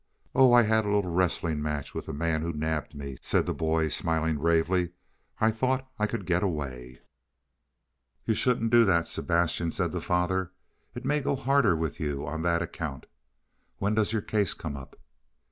"Oh, I had a little wrestling match with the man who nabbed me," said the boy, smiling bravely. "I thought I could get away." "You shouldn't do that, Sebastian," said the father. "It may go harder with you on that account. When does your case come up?"